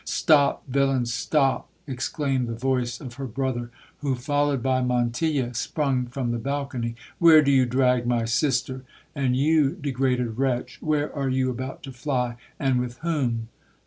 'Stop, villain, stop!' exclaimed the voice of her brother, who, followed by Montilla, sprung from the balcony—'Where do you drag my sister?—and you, degraded wretch, where are you about to fly, and with whom?'